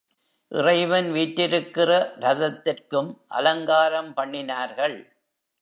இறைவன் வீற்றிருக்கிற ரதத்திற்கும் அலங்காரம் பண்ணினார்கள்.